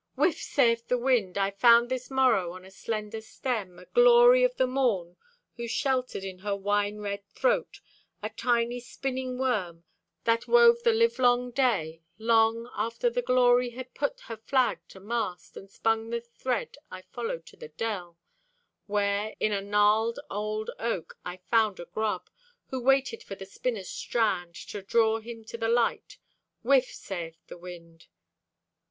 Whiff, sayeth the wind. I found this morrow, on a slender stem, A glory of the morn, who sheltered in her wine red throat A tiny spinning worm that wove the livelong day,— Long after the glory had put her flag to mast— And spun the thread I followed to the dell, Where, in a gnarled old oak, I found a grub, Who waited for the spinner's strand To draw him to the light. Whiff, sayeth the wind.